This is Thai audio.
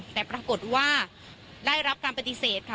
แต่ปรากฏว่าได้รับการปฏิเสธค่ะ